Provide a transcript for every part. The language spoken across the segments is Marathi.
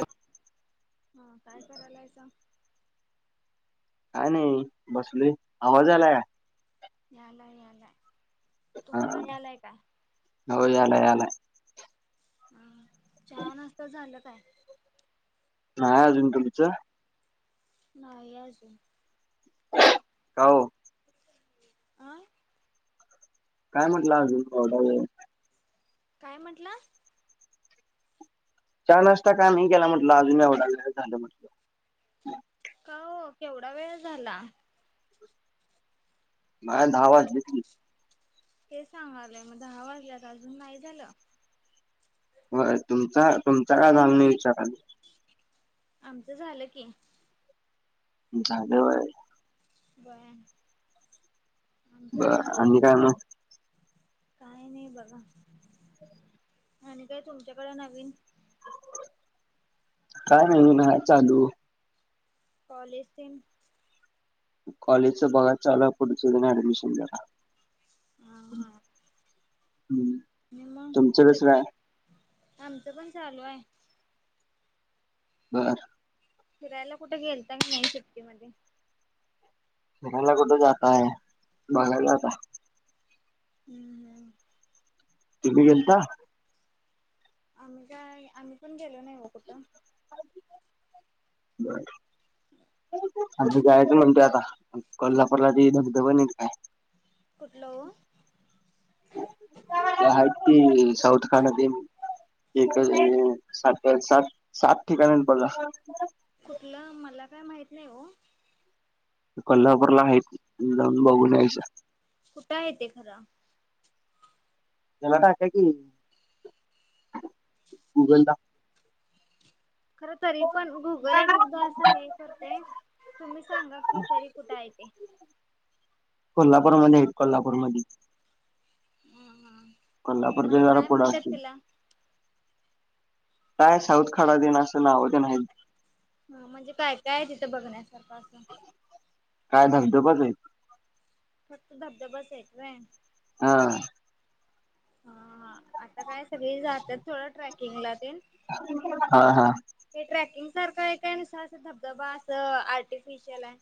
अच. हा काय कयलायच. का नाही बसले आवाज आलाय का? यालाय यालाय तुम्हाला यालाय काय? हो याला याला ह छान असत झालं काय? हा अजूनटोलुचा नाही याजून काऊ. आं. काय म्हटलंजु आा. काय म्हंटलं. चार नजता का नाही केला म्हटलं अजूनी एवडाला झालं म्हटलं. का केवढा वेळ झाला. मा दहा वाज घेत. हे सांगालंय मग दहा वाजल्यात अजून नाही झालं. होय तुमचा तुमचा काय जाऊ नाही विचाराल. आमचं झालं की लेवाय. बर. ब आणि काय ना. काय नाही बघा आणि काय तुमच्याकडे नवीन काय नाही ना चालू. कॉलेजथीन कॉलेजचं बघा चालू आहे पुढचं ज ऍडमिशन दरा हा हा हम्म. आणि तुमचं मग कसं काय आमचं पण चालू आहे. बरर. फिरायला कुठे गेल का नाही सुट्टीमध्येध्ये बरायला कुठ जाता आहे बघायलाात. ह नाही. तिल् गलता. आम्ही काय आम्ही पण गेलो नाहीव कुठं? ब जायच म्हणतोय आता कजपरला त धबध बनल काय? कुठलं? या की साऊथखान नदी एकठ सात सात ठिकाण बला कुठलं मला काय माहत नाही हो. कोल्हापूरला आहे जाऊन बघ न यायच्या. कुठं य ते खरा. जलाता कि गगोल खरं तरी पण गुगल एक एकदा असं नाही. करतय तुम्ही सांगा की तरी कुठे येते? कोल्हापूरमध्येध्ये आहेत कोल्हापूरमध्येध्ये ह कोल्हापूरच्या म्हणजे जरा काय पुढं म्हणतात असतील तिला काय साऊथ खडा देन असं नाव नाही. हा म्हणजे काय काय तिथं बघण्यासारखं असं काय धबध बजय फक्त धबधबाच येतोय हा हा आता काय सगळी जातात थोडं ट्रेकिंगला ते हा हा का ट्रॅकिंग सारखं आहे काय नुसार अस धबधबा असं आर्टिफिशियल आहे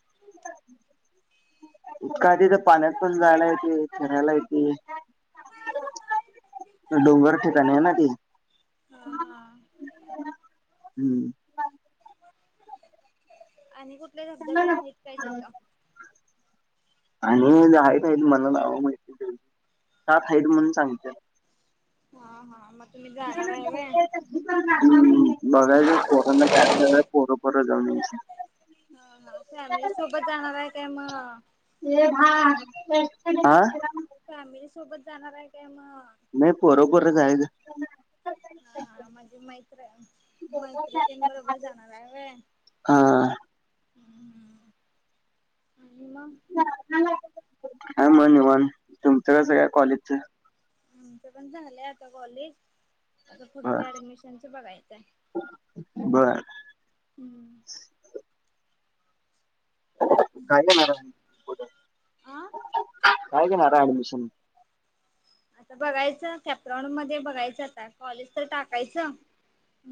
उकाध तर पाण्यात पण जायला येते फरायला येते डोंगर ठिकाणी आहे ना ते हा हा हम्म आणि कुठले धबधबे आहेत काय तिथं [unintelligible] आणि आहेत आहेत मला नाव माहिती काातही म्हणून सांगते हा हा मग तुम्ही जाणार आहेव हम् लघा ज परोना का पपर जाऊन हा हा फॅमिली सोबत जाणार आहे काय मग ते भा फॅमिली सोबत जाणार आहे काय मग नाही बरोखरच आहे हा हा मागे मैत्र मैत्री बरोबर जाणार आहे. हा हम् आणि मग ह म मन तुमचं कस काय कॉलेजच आ ते पण झालंय आता कॉलेज आता बर पुढच्या ऍडमिशनच बघायचंय बर हम्म काय घेणार आ काय घेणार ऍडमिशन ता बघायचं कॅप्रॉन मध्ये बघायचं आता कॉलेज तर टाकायचं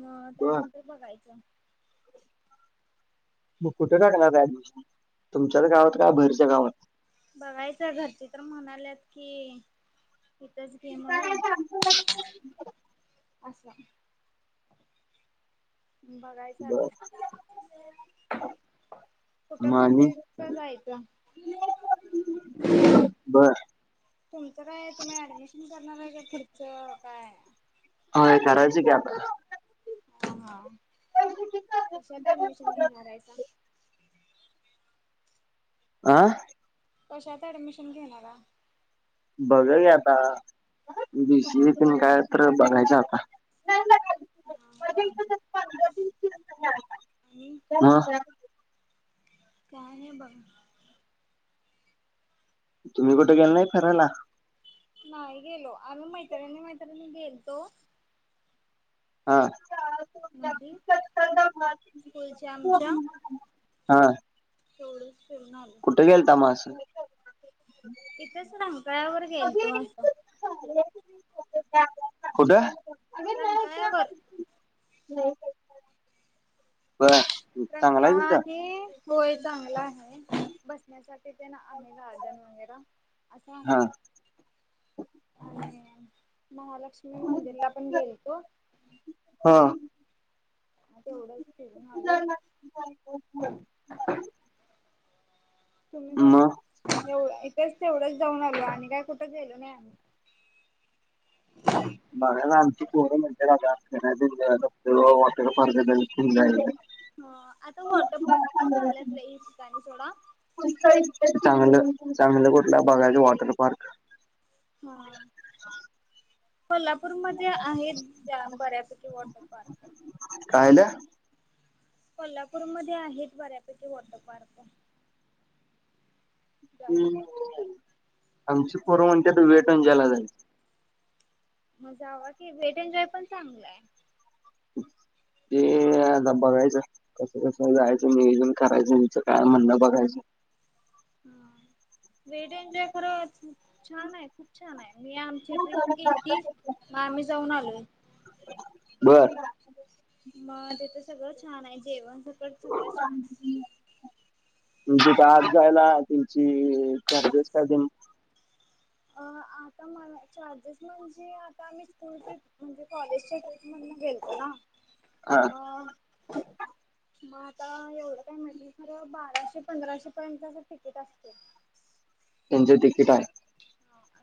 मग बर त्यानंतर बघायचं मग कुठे टाकणार का ऍडमिशन तुमच्याच गावात का भरच्या गावात बघायचं घरती तर म्हणाल्यात की तथच घे म्हणून असं बघायचं बर आता खुठं मग आणि भेडते का जायचं बर तुमचं काय तुम्ही ऍडमिशन करणार आहे का पुुढचं काय हय करायळच का आप हा [unintelligible] ऍडमिशन घेणारयच आं कशात ऍडमिशन घेणार बघ घ आता बीसी त काय तर बघायचं आता [unintelligible] आणि हा काय नाही बघ तुम्ही कुठे गेल नाही फिरायला नाही गेलो आम्ही मैत्रिणीनी मैत्रिणी गेलतो हा मध फुलच्या आमच्या हा तेवढच फिरून आले कुठे गेल त मास तिथेच रंकाळ्यावर गेल तू असं कुठं रंकाळ्यावर बर चांगला आहे रंकाळा तिथं आणि. होय चांगला आहे बसण्यासाठी ते ना आहे गार्डन वगैरे. असा आहे. हा आणि महालक्ष्मी मंदिर ला पण गेलं थी. हा म तेवढंच फिरून आलो. तुम्ही का? मग तेव इथेच तेवढंच जाऊन आलं आणि काय कुठ गलो नाही आम्ही. बागायच आता आमचं पोर म्हणत्यात वॉटरपर्क ला जायचं ह आता वॉटर पार्क पण झालात ल ह ठिकाणी थोडा. चांगलं चांगलं कुठलं बघायचं वॉटर पार्क. हा कोल्हापूर नागपूरमध्येध्ये आहेत बऱ्यापैकी वॉटर पार्क. कायला? कोल्हापूरमध्येध्ये आहेत बऱ्यापैकी वॉटर पार्क. जास्त आमची पोर म्हणते वेट न जॉय ला जायच. मजा जावा की वेट एन्जॉय पण चांगला आहे. ते धबबा घयच. कसं कसं जायचं नियोजन करायचं मचं काय म्हणणं बघायचं. हा. वेड एन्जॉय कराप छान आहे खूप छान आहे मी आमची ट्रिप गेली ती. मग आम्ही जाऊन आलोय. बर मग तेिथं सगळं छान आहे जेवण सकट सगळं छान आहे तुमची आत जायला तूमची चारजेस काय ते. अ आता मला चार्जेस म्हणजे आता आम्ही स्कूल. म्हणजे कॉलेजच्या टेट मधून गेलतो ना हा मग. मग आता एवढं काय म्हटलं खर बाराशे पंधराशे पर्यंत अस तिकीट असते. त्यांची तिकीट आहे ह अ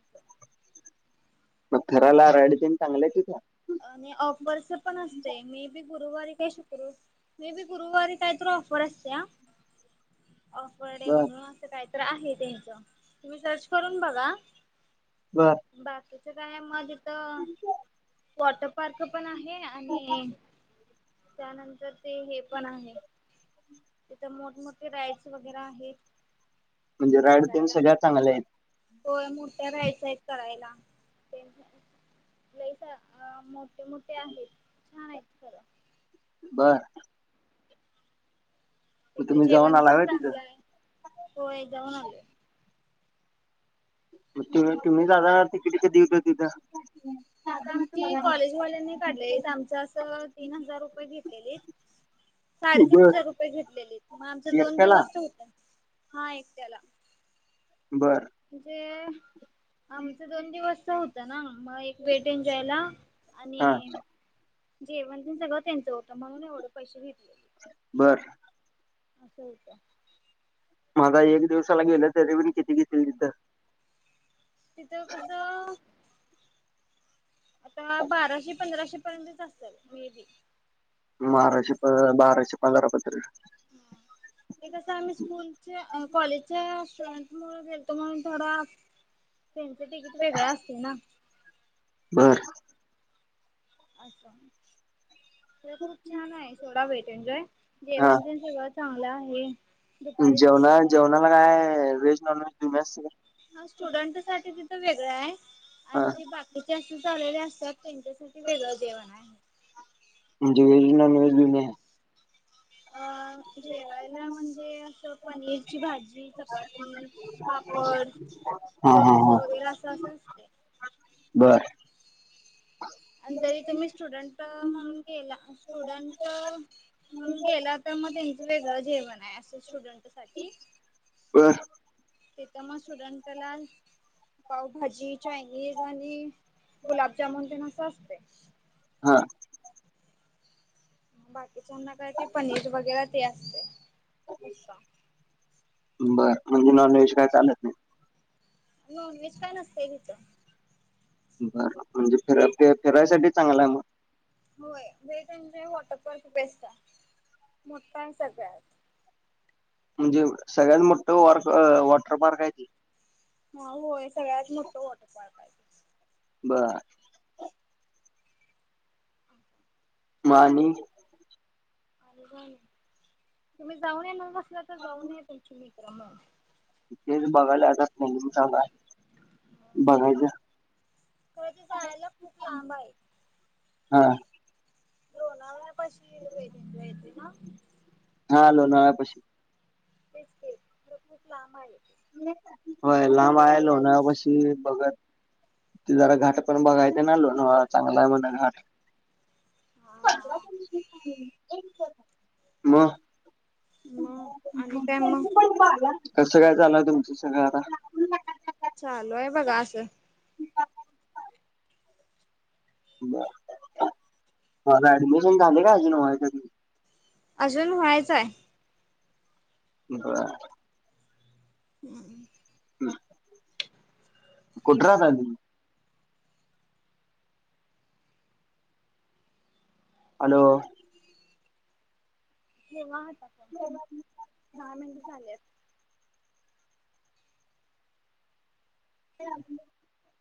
मग फिरायला राइड चांगलंय तिथं. आणि ऑफरच पण असते मे बी गुरुवारी काय शुक्रवारी. मे बी गुरुवारी काहीत ऑफर असते या ऑफर डे बर म्हणून. काहीत आहे त्यांच तुम्ही सर्च करून बघा बर बाकीचं काय मज तर. वॉटर पार्क पण आहे आणि त्यानंतर ते हे पण आहे. तिथं मोठमोठे राईड्स वगैरे आहेत. म्हणजे राडते सगळ्या चांगल्या आहेत. हो मोठ्या राइड्स आहेत करायला ते. आप लही मोठे मोठे आहेत छान आहेत खरं. बर मग तिथे तुम्ही जाऊन जेवण आला पण व्हय तिथं चांगलं आहे हो एक जाऊन आले. मग तुम्ही दादा तिकिट कधी हो तिथं. आता आमची कॉलेजवाल्यांनी काढलेली आमचं असं तीन हजार रुपये घेतलेली आहेत. साडेतीन बर हजार रुपये घेतलेले मग आमचे दोन एकट्याला दिवस तर होत हा एकट्याला. बर म्हणजे आमच दोन दिवस च होत ते ना मग एक वेट एनजॉयला आणि हा जेवण पण सगळ त्यांच होत म्हणून एवढे पैशे घेतले बर असं होत माझा एक दिवसाला गेलं तरी बीण किती घेतील तिथं तिथं कस अ आता बाराशे पंधराशे पर्यंतच असल मे बी तिकीट माराशे प बाराशे पंधरा पञे ते कसं आम्ही स्कूलच्या अ कॉलेजच्या आ स्टुडंट मुळ गेलतो म्हणून थोडा आ ट्रेनचं तिकीट वेगळं असतेय ना बरं आच्छा तर खूप छान आहे सोडा वेट अँड जॉय हा जेवण पण सगळच चांगल आहे दुपारी जेवणा जेवण जेवणाला काये व्हेज नॉन व्हेज दोन्ही आसत काय हा स्टुडंट साठी तिथं वेगळं आहे हा आणि जी बाकीचे असेच आलेले त्यात त्यांच्यासाठी वेगळं जेवण आहे म्हणजे व्हेज आणि नॉन दोन्ही आहे अ जेवायला म्हणजे असं पनीरची भाजी चपाती पापड हा हा हा लोणचं वगैरे असं अन बर आणि जरी तरी तुम्ही स्टुडंट म्हणून केला स्टुडंट मम गेलं त म त्यांचं वेगळं जेवण आहे असं स्टुडंट साठी वा तिथं म सुडंटला पावभाजी चायनीज आणि गुलाबजामुन तेन असं असतय हा बाकीच्यांना काय ते पनीर वगैरे ते असतय बरं म्हणजे नॉन व्हेज काय चालत नाही नॉन व्हेज का नसतेय तिथ बर म्हणजे फित ते फिरायसाठी चांगला आहे मग होय वेग म्हणजे वॉटरपार्क बेस्ट आहे मोटाआये सगळ्यात म्हणजे सगळ्यात मोठं वॉर क वॉटर पार्क आहे ते हा होय सगळ्यात मोठं वॉटर पार्क आहे बर मग छान आहे आणि ते आणि जाऊन या तुम्ही जाऊन य बस आसल तर जाऊन य तुमचे मित्र मग तथेच बघायला आताात न सांगा [inaudible] पळ ते जायला खूप लांब आहे हा लोळावन्या पाशीेज येते ना [inaudible] हा लोनवळ्या पशी बिस्कीट पर खूप लांब आहे. होय लांब आहे जायाला लोळयाना पशी बगत ते जरा घाट पण बघायचं ना लोळावना चांगला आहे म्हण घाट हा म [inaudible] मग आणि काय मग कसं काय चालं तुमच सगळं आता चालू आहे बघा आसं. ब मला ऍडमिशन झाले का अजून अजून व्हायचं आहे. बर. ह. हम. कुदरात आण. अलो. तेवता. दहा मिनटं झालेत. आप.